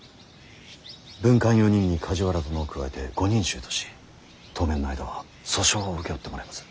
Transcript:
文官４人に梶原殿を加えて５人衆とし当面の間は訴訟を請け負ってもらいます。